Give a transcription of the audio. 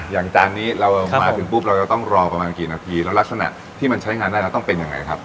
จานนี้เรามาถึงปุ๊บเราจะต้องรอประมาณกี่นาทีแล้วลักษณะที่มันใช้งานได้เราต้องเป็นยังไงครับ